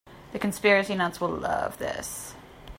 The conspiracy nuts will love this.